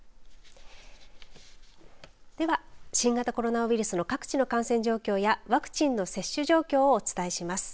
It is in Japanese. では、新型コロナウイルスの各地の感染状況やワクチンの接種状況をお伝えします。